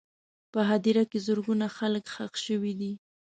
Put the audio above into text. په هدیره کې زرګونه خلک ښخ شوي دي.